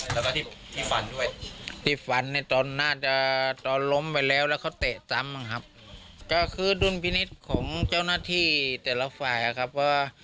แล้วก็ที่ฝันด้วยที่ฝันในตอนน่าจะตอนล้มไปแล้วแล้วเขาเตะซ้ำบ้างครับก็คือดุลพินิษฐ์ของเจ้าหน้าที่แต่ละฝ่ายครับว่า